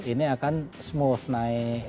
ini akan smooth naik